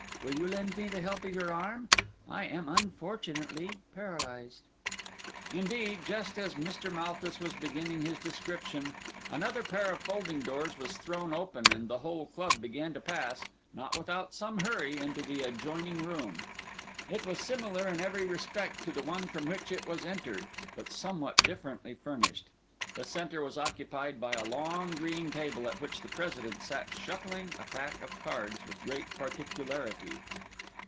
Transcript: Will you lend me the help of your arm? I am unfortunately paralysed." Indeed, just as Mr. Malthus was beginning his description, another pair of folding doors was thrown open, and the whole club began to pass, not without some hurry, into the adjoining room. It was similar in every respect to the one from which it was entered, but somewhat differently furnished. The centre was occupied by a long green table, at which the President sat shuffling a pack of cards with great particularity.